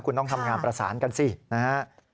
คุณต้องทำงานประสานกันสินะฮะ